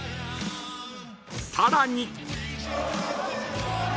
さらに。